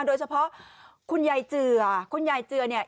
โดยเฉพาะคุณยายเจือคุณยายเจือเนี่ย